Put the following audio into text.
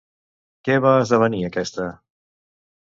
Què va esdevenir aquesta?